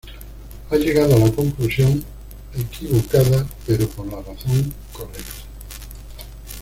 Ha llegado a la conclusión equivocada pero por la razón correcta".